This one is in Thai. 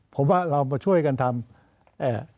ผมว่าเรามาช่วยกันทำเอ่อ